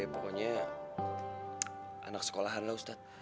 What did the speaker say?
pokoknya anak sekolahan lah ustadz